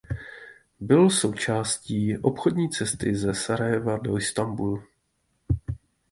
Byl součástí obchodní cesty ze Sarajeva do Istanbulu.